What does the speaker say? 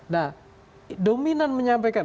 nah dominan menyampaikan